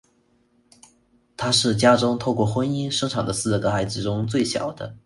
他是家中透过婚姻生产的四个孩子中最小的。